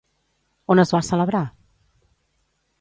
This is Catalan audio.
On es va celebrar?